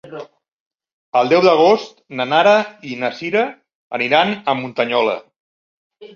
El deu d'agost na Nara i na Sira aniran a Muntanyola.